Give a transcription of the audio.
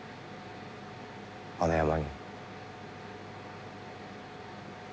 あの山に。